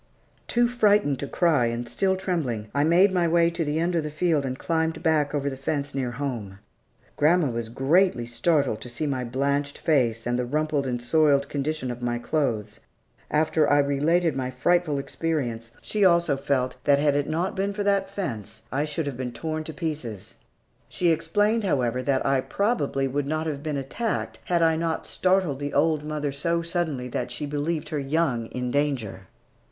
Too frightened to cry, and still trembling, I made my way to the end of the field and climbed back over the fence near home. Grandma was greatly startled by my blanched face, and the rumpled and soiled condition of my clothes. After I related my frightful experience, she also felt that had it not been for that fence, I should have been torn to pieces. She explained, however, that I probably would not have been attacked had I not startled the old mother so suddenly that she believed her young in danger.